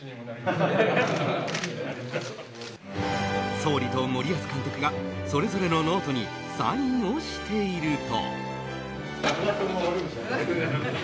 総理と森保監督がそれぞれのノートにサインをしていると。